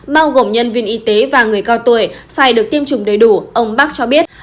bao gồm nhân viên y tế và người cao tuổi phải được tiêm chủng đầy đủ ông bắc cho biết